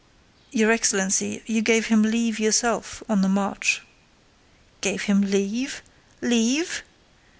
"Your excellency, you gave him leave yourself, on the march." "Gave him leave? Leave?